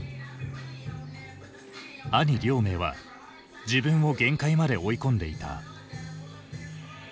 兄亮明は自分を限界まで追い込んでいた。